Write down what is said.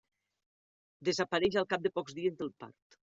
Desapareix al cap de pocs dies del part.